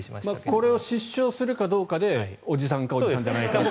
これを失笑するかどうかでおじさんかおじさんじゃないかが。